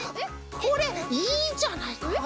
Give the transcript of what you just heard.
これいいじゃないかこれ。